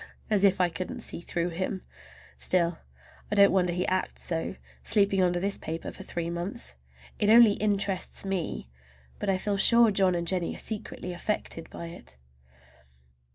As if I couldn't see through him! Still, I don't wonder he acts so, sleeping under this paper for three months. It only interests me, but I feel sure John and Jennie are secretly affected by it.